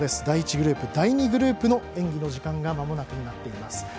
第１グループ、第２グループの演技の時間にまもなくになっています。